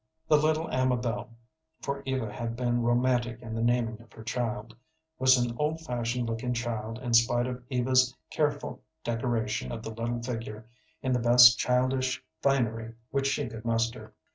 The little Amabel, for Eva had been romantic in the naming of her child, was an old fashioned looking child in spite of Eva's careful decoration of the little figure in the best childish finery which she could muster.